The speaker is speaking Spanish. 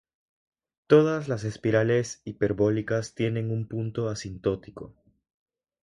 Todas las espirales hiperbólicas tienen un punto asintótico.